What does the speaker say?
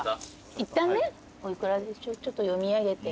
いったんねお幾らちょっと読み上げて。